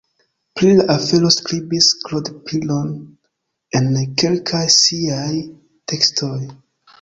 Pri la afero skribis Claude Piron en kelkaj siaj tekstoj.